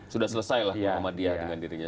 sudah selesai lah muhammadiyah dengan dirinya sendiri